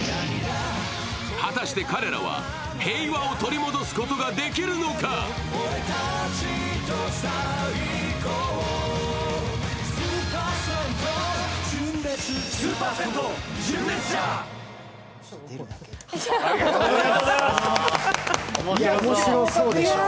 果たして彼らは平和を取り戻すことができるのか。面白そうでしょう。